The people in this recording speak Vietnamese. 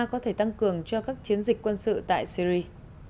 có thể tăng cường cho các chiến dịch quân sự tại syri